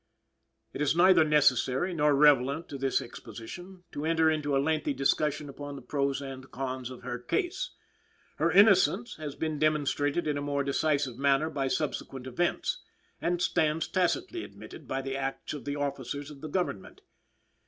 It is neither necessary, nor relevant to this exposition, to enter into a lengthy discussion upon the pros and cons of her case. Her innocence has been demonstrated in a more decisive manner by subsequent events, and stands tacitly admitted by the acts of the officers of the government.